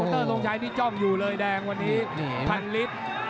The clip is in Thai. โปรเตอร์ลงใช้นี่จ้อมอยู่เลยแดงวันนี้พันธุ์ลิสต์